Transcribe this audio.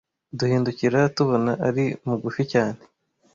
Duhindukira tubona ari mugufi cyane